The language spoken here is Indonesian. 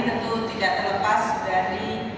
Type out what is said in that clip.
tentu tidak terlepas dari